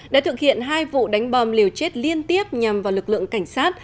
đã thực hiện hai vụ đánh bom liều chết liên tiếp nhằm vào lực lượng cảnh sát